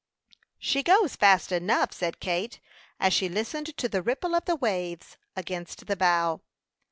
"She goes fast enough," said Kate, as she listened to the ripple of the waves against the bow.